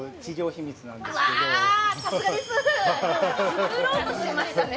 作ろうとしてましたね？